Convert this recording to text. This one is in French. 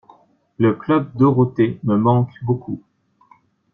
Le Club Dorothée me manque beaucoup.